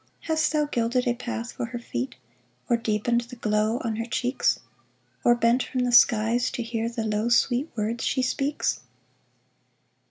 Hast thou gilded a path for her feet, Or deepened the glow on her cheeks. Or bent from the skies to hear The low, sweet words she speaks